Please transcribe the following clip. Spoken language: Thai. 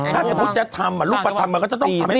ถ้าสมมุติจะทำลูกประทำก็จะ้ต้องทำให้หมด